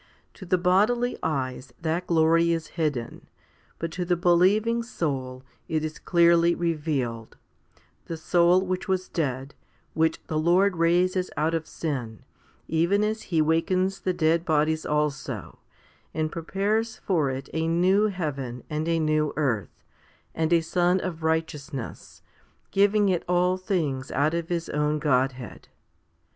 To the bodily eyes that glory is hidden, but to the believing soul it is clearly revealed the soul which was dead, which the Lord raises out of sin, even as He wakens the dead bodies also, and prepares for it a new heaven and a new earth, and a sun of righteousness, giving it all things out of His own Godhead.